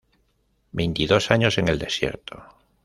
Veintidós años en el desierto".